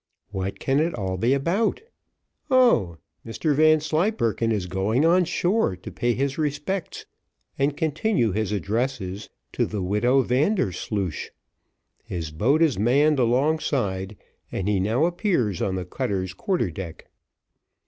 What can it all be about? Oh! Mr Vanslyperken is going on shore to pay his respects, and continue his addresses, to the widow Vandersloosh. His boat is manned alongside, and he now appears on the cutter's quarter deck.